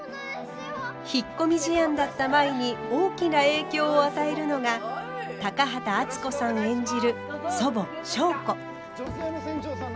引っ込み思案だった舞に大きな影響を与えるのが高畑淳子さん演じる祖母祥子。